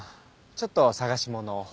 ちょっと探し物を。